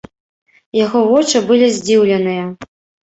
Яго вочы былі здзіўленыя.